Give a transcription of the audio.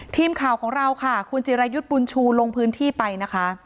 ทีมข่าวของเราค่ะคุณจิรายุทธ์บุญชูลงพื้นที่ไปนะคะ